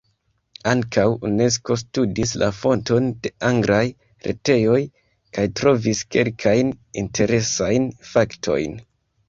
Ankaŭ Unesko studis la fonton de anglaj retejoj, kaj trovis kelkajn interesajn faktojn: